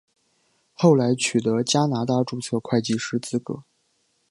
后来取得加拿大注册会计师资格。